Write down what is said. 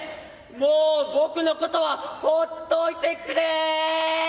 もう僕のことは放っといてくれ！」。